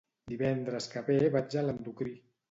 Divendres que ve vaig a l'endocrí.